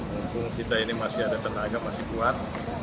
mumpung kita ini masih ada tenaga masih kuat